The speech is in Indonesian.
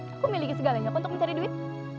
aku miliki segalanya untuk mencari duit